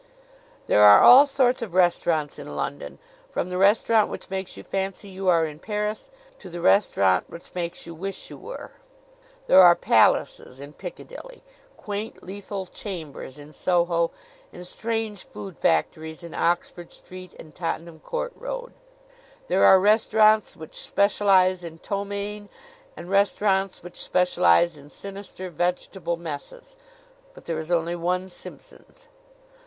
There are all sorts of restaurants in London, from the restaurant which makes you fancy you are in Paris to the restaurant which makes you wish you were. There are palaces in Piccadilly, quaint lethal chambers in Soho, and strange food factories in Oxford Street and Tottenham Court Road. There are restaurants which specialize in ptomaine and restaurants which specialize in sinister vegetable messes. But there is only one Simpson's.